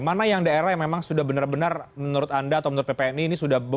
mana yang daerah yang memang sudah benar benar menurut anda atau menurut ppni ini sudah